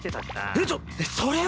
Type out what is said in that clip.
えっちょっそれは。